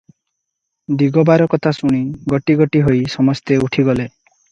ଦିଗବାର କଥା ଶୁଣି ଗୋଟି ଗୋଟି ହୋଇ ସମସ୍ତେ ଉଠିଗଲେ ।